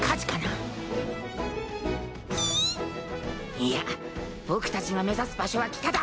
いや僕たちが目指す場所は北だ。